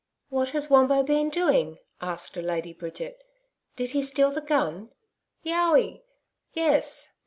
'What has Wombo been doing?' asked Lady Bridget. 'Did he steal the gun?' 'YOWI (yes).